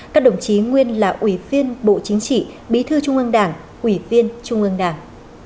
các đồng chí nguyên là ủy viên bộ chính trị bí thư trung ương đảng ủy viên trung ương đảng